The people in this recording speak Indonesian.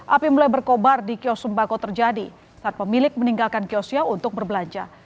api mulai berkobar di kios sembako terjadi saat pemilik meninggalkan kiosnya untuk berbelanja